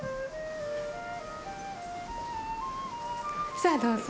さぁどうぞ。